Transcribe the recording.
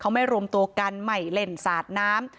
เขาไม่รวมตัวกันไม่เล่นสาดน้ำ